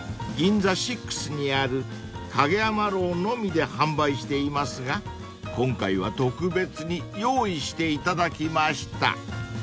［ＧＩＮＺＡＳＩＸにある蔭山樓のみで販売していますが今回は特別に用意していただきました］